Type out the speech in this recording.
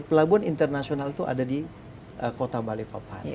pelabuhan internasional itu ada di kota balikpapan